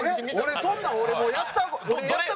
俺そんなん俺もうやった事ない。